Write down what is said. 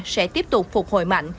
sẽ tiếp tục phục hồi mạnh